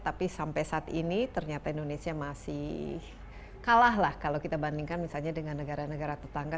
tapi sampai saat ini ternyata indonesia masih kalah lah kalau kita bandingkan misalnya dengan negara negara tetangga